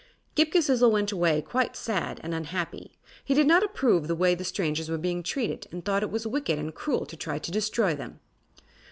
Ghip Ghisizzle went away quite sad and unhappy. He did not approve the way the strangers were being treated and thought it was wicked and cruel to try to destroy them.